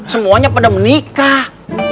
semuanya pada menikah